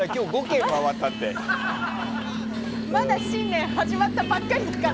まだ新年始まったばかりだから。